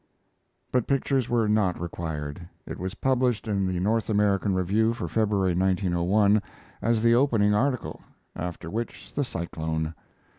But pictures were not required. It was published in the North American Review for February, 1901, as the opening article; after which the cyclone.